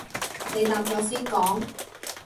你答咗先講